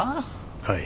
はい。